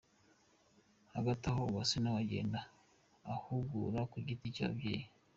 Hagati aho, Uwase nawe agenda ahugura ku giti cye ababyeyi.